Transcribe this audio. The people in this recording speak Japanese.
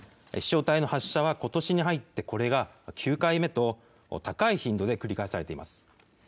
飛しょう体の発射はことしに入ってこれが９回目と、高い頻度で繰り返されています。